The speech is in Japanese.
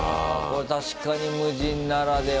これ確かに無人ならではだ。